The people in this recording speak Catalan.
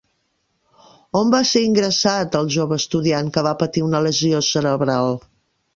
On va ser ingressat el jove estudiant que va patir una lesió cerebral?